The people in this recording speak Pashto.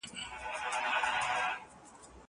زه اجازه لرم چي ليکلي پاڼي ترتيب کړم؟